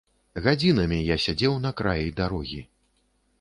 Гадзінамі я сядзеў на краі дарогі.